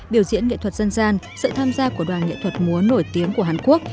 biểu diễn nghệ thuật dân gian sự tham gia của đoàn nghệ thuật múa nổi tiếng của hàn quốc